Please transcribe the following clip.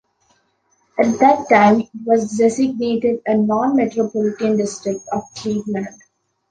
At that time it was designated a non-metropolitan district of Cleveland.